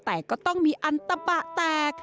แต่ก็ต้องมีอันตะปะแตก